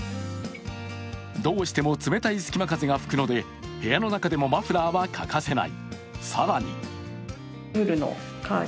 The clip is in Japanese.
どうしても冷たいすきま風が吹くので部屋の中でもマフラーは欠かせない。